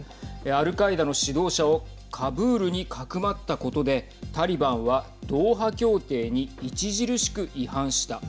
アルカイダの指導者をカブールにかくまったことでタリバンはドーハ協定に著しく違反した。